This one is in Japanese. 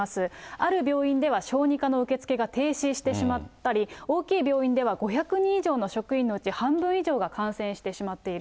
ある病院では小児科の受け付けが停止してしまったり、大きい病院では５００人以上の職員のうち、半分以上が感染してしまっている。